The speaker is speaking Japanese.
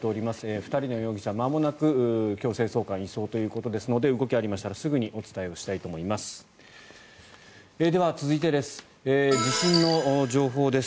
２人の容疑者まもなく強制送還移送ということですので動きがありましたらすぐにお伝えしたいと思います。